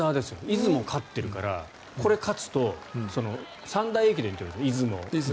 出雲勝っているからこれ勝つと三大駅伝といわれているんです。